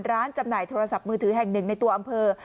จำหน่ายโทรศัพท์มือถือแห่งหนึ่งในตัวอำเภอ